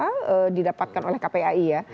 apa didapatkan oleh kpai ya